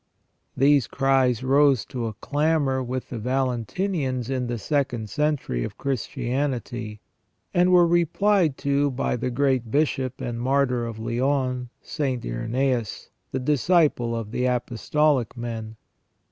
These cries rose to a clamour with the Valentinians in the second century of Christianity, and were replied to by the great Bishop and Martyr of Lyons, St. Irenaeus, the disciple of the apostolic men.